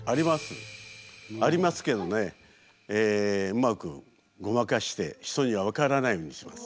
ありますけどねうまくごまかして人には分からないようにします。